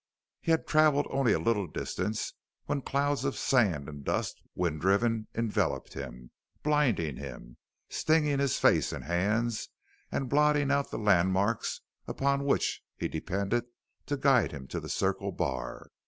He had traveled only a little distance when clouds of sand and dust, wind driven, enveloped him, blinding him again, stinging his face and hands and blotting out the landmarks upon which he depended to guide him to the Circle Bar.